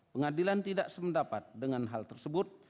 pengadilan tidak sependapat dengan hal tersebut